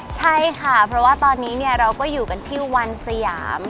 ใช่ค่ะเพราะว่าตอนนี้เราก็อยู่กันที่วันสยาม